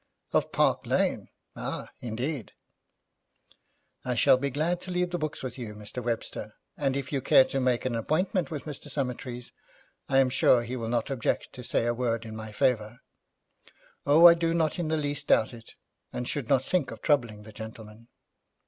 'Of Park Lane? Ah, indeed.' 'I shall be glad to leave the books with you, Mr. Webster, and if you care to make an appointment with Mr. Summertrees, I am sure he will not object to say a word in my favour.' 'Oh, I do not in the least doubt it, and should not think of troubling the gentleman.'